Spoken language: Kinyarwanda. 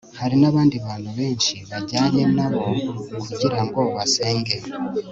Hari n abandi bantu benshi bajyanye na bo kugira ngo basenge